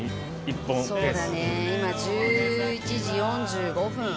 そうだね今１１時４５分。